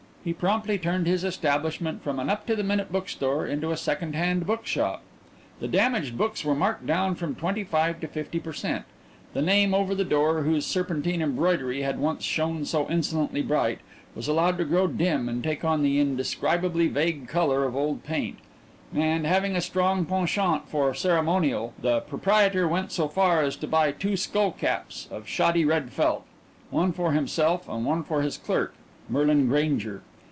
He promptly turned his establishment from an up to the minute book store into a second hand bookshop. The damaged books were marked down from twenty five to fifty per cent, the name over the door whose serpentine embroidery had once shone so insolently bright, was allowed to grow dim and take on the indescribably vague color of old paint, and, having a strong penchant for ceremonial, the proprietor even went so far as to buy two skull caps of shoddy red felt, one for himself and one for his clerk, Merlin Grainger.